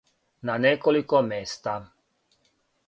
На неколико места.